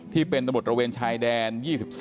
ที่เป็นตำรวจระเวนชายแดน๒๒